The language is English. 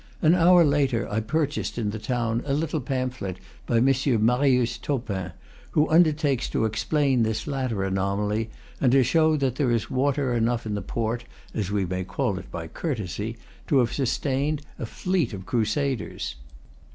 An hour later I purchased in the town a little pamphlet by M. Marius Topin, who undertakes to explain this latter anomaly, and to show that there is water enough in the port, as we may call it by courtesy, to have sustained a fleet of crusaders.